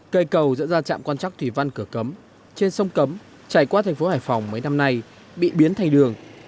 cây cầu dẫn ra chạm quan chắc thủy văn cửa cấm trên sông cấm chạy qua thành phố hải phòng mấy năm nay bị biến thành đường